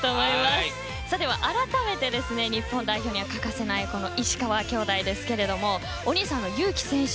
改めて日本代表には欠かせない石川兄妹ですがお兄さんの祐希選手